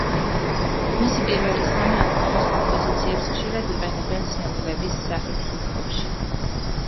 მისი პირველი სამი ალბომის კომპოზიციებს ხშირად იყენებენ სემპლების სახით ჰიპ-ჰოპში.